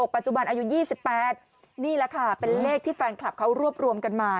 ปัจจุบันอายุ๒๘นี่แหละค่ะเป็นเลขที่แฟนคลับเขารวบรวมกันมา